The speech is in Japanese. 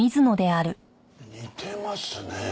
似てますね。